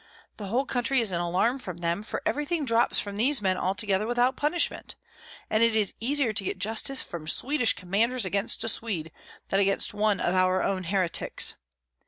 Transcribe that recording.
The whole country is in alarm from them, for everything drops from these men altogether without punishment, and it is easier to get justice from Swedish commanders against a Swede, than against one of our own heretics.